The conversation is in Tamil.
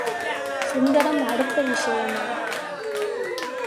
சுந்தரம் அடுத்த விஷயமா?